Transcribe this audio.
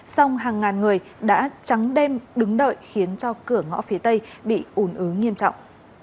song hàng ngàn người đã trắng đêm đứng đợi khiến cho cửa ngõ phía tây bị ủn ứ nghiêm trọng